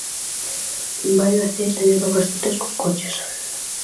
Baio e Cee teñen novas citas cos coches.